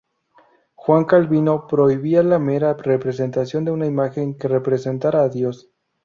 Juan Calvino prohibía la mera representación de una imagen que representara a Dios.